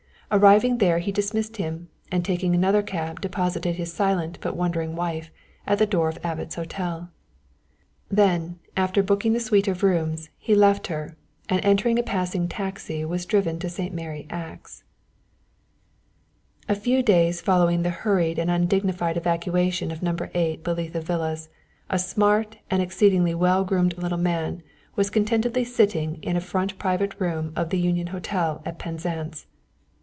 Arriving there he dismissed him, and taking another cab deposited his silent but wondering wife at the door of Abbot's Hotel. Then, after booking the suite of rooms, he left her, and entering a passing taxi was driven to St. Mary Axe. A few days following the hurried and undignified evacuation of No. 8, Belitha Villas, a smart and exceedingly well groomed little man was contentedly sitting in a front private room of the Union Hotel at Penzance.